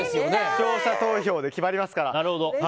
視聴者投票で決まりますから。